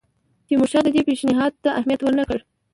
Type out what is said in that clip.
تیمورشاه دې پېشنهاد ته اهمیت ورنه کړ.